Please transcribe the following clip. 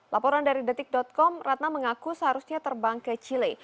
laporan dari detik com ratna mengaku seharusnya terbang ke chile